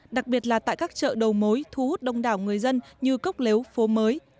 đặc biệt là tại các chợ đầu mối thu hút đông đảo người dân như cốc lếu phố mới